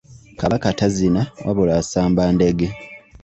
Kabaka tazina wabula asamba ndege.